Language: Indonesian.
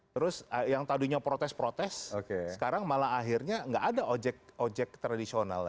terus yang tadinya protes protes sekarang malah akhirnya nggak ada ojek ojek tradisional